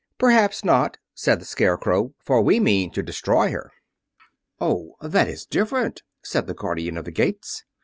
"Perhaps not," said the Scarecrow, "for we mean to destroy her." "Oh, that is different," said the Guardian of the Gates.